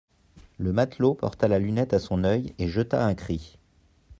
Le matelot porta la lunette à son oeil, et jeta un cri.